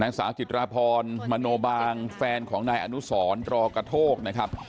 สาวจิตราพรมโนบางแฟนของนายอนุสรรอกระโทกนะครับ